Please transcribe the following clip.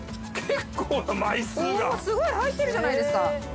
すごい入ってるじゃないですか。